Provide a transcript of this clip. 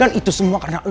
dan itu semua karena lo al